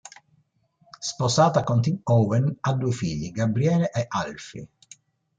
Sposata con Tim Owen, ha due figli, Gabriele e Alfie.